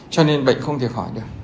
cho nên bệnh không thể khỏi được